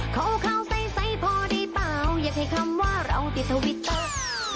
ข่าวใสพอดีเปล่าอยากให้คำว่าเราติดทวิตเตอร์